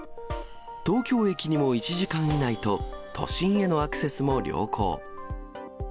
東京駅にも１時間以内と、都心へのアクセスも良好。